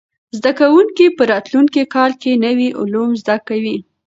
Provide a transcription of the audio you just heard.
زده کوونکي به په راتلونکي کال کې نوي علوم زده کوي.